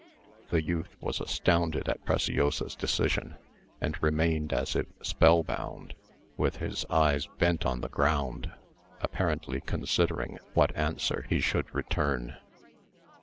The youth was astounded at Preciosa's decision, and remained as if spell bound, with his eyes bent on the ground, apparently considering what answer he should return.